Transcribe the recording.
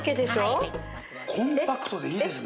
コンパクトでいいですね。